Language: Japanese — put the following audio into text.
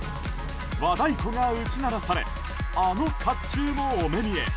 和太鼓が打ち鳴らされあの甲冑もお目見え。